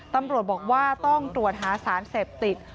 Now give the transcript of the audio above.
ตำรวจบอกว่าต้องตรวจหาสารเสพติด